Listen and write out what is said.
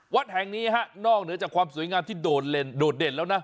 วัดแห่งนี้ฮะนอกเหนือจากความสวยงามที่โดดเด่นแล้วนะ